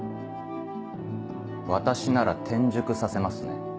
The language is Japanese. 私なら転塾させますね。